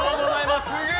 すげえ！